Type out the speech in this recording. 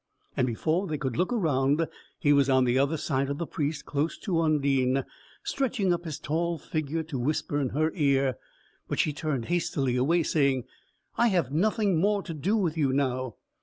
And before they could look round, he was on the other side of the Priest, close to Undine, and stretching up his tall figure to whisper in her ear. But she turned hastily away, saying, "I have nothing more to do with you now."